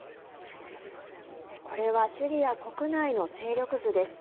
これはシリア国内の勢力図です。